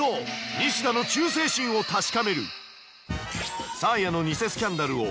ニシダの忠誠心を確かめる。